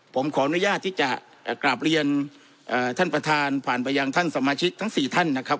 ผมขออนุญาตที่จะกราบเรียนท่านประธานผ่านไปยังท่านสมาชิกทั้ง๔ท่านนะครับ